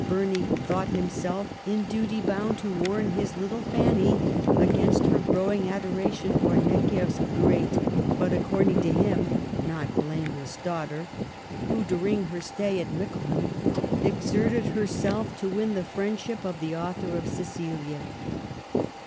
Burney thought himself in duty bound to warn his little Fanny against her growing adoration for Necker's great, but, according to him, not blameless daugh ter, who, during her stay at Mickleham, exerted herself to win the friendship of the author of Cecilia.